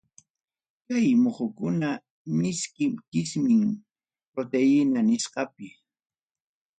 Kay muhukunaqa miski kiskim proteína nisqapi.